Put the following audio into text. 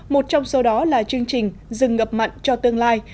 một trong số đó là chương trình dừng ngập mặn cho tương lai